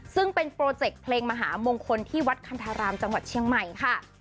ซึ่งเป็นโปรเจกต์เพลงมหามงคลที่วัดคันธารามจังหวัดเชียงใหม่ค่ะ